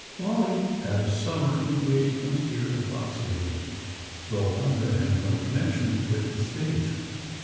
Wally had a summer engagement here at Box haven, though one that had no connection with the stage.